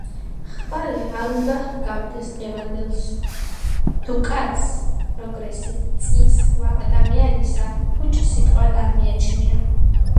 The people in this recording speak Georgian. „ხვალე არ უნდა ჰგავდეს დღევანდელს, თუ კაცს პროგრესი, წინსვლა ადამიანისა ფუჭ სიტყვად არ მიაჩნია.“